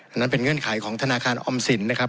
นั่นเป็นเงื่อนไขของธนาคารออมสินนะครับ